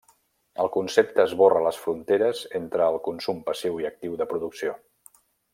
El concepte esborra les fronteres entre el consum passiu i actiu de producció.